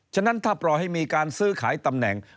ฉะนั้นถ้าปล่อยให้มีการซื้อขายตำแหน่ง